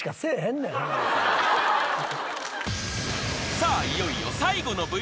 ［さあいよいよ］